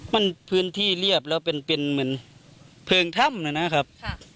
มันพื้นที่เรียบแล้วเป็นเหมือนเพลิงถ้ำนะครับ